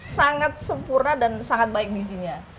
sangat sempurna dan sangat baik bijinya